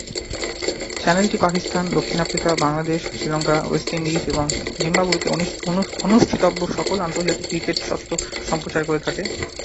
চ্যানেলটি পাকিস্তান, দক্ষিণ Africa, Bangladesh, Sri Lanka, West Indies এবং জিম্বাবুয়েতে অনুষ্ঠিতব্য সকল আন্তর্জাতিক ক্রিকেট স্বত্ত্ব সম্প্রচার করে থাকে।